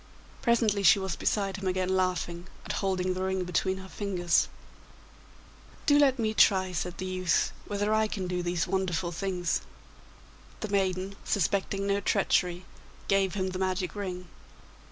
Presently she was beside him again laughing, and holding the ring between her fingers. 'Do let me try,' said the youth, 'whether I can do these wonderful things.' The maiden, suspecting no treachery, gave him the magic ring.